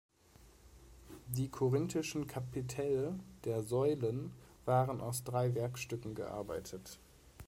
Die korinthischen Kapitelle der Säulen waren aus drei Werkstücken gearbeitet.